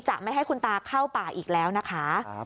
จะไม่ให้คุณตาเข้าป่าอีกแล้วนะคะ